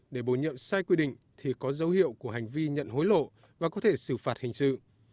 để bổ nhiệm sai quy định thì có dấu hiệu của hành vi nhận hối lộ và có thể xử phạt hành sự